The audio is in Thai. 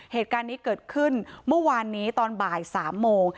เหตุการณ์นี้เกิดขึ้นเมื่อวานนี้ตอนบ่าย๓โมง